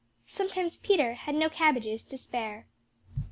Sometimes Peter Rabbit had no cabbages to spare.